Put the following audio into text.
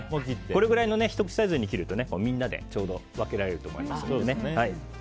これくらいのひと口サイズに切るとみんなで分けられると思います。